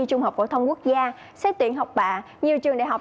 trung học phổ thông quốc gia xét tuyển học bạ nhiều trường đại học